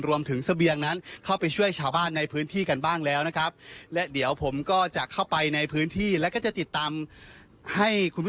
สะเบียงนั้นเข้าไปช่วยชาวบ้านในพื้นที่กันบ้างแล้วนะครับ